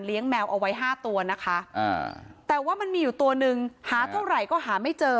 แมวเอาไว้๕ตัวนะคะแต่ว่ามันมีอยู่ตัวนึงหาเท่าไหร่ก็หาไม่เจอ